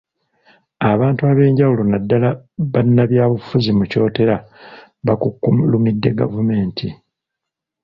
Abantu ab’enjawulo naddala bannabyabufuzi mu Kyotera bakukkulumidde gavumenti.